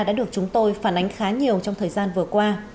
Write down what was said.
đã được chúng tôi phản ánh khá nhiều trong thời gian vừa qua